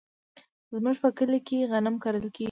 زمونږ په کلي کې غنم کرل کیږي.